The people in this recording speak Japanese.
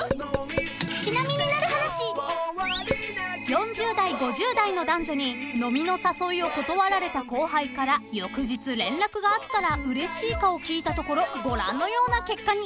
［４０代５０代の男女に飲みの誘いを断られた後輩から翌日連絡があったらうれしいかを聞いたところご覧のような結果に］